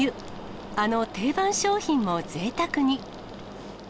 あの定番商品もぜいたくに。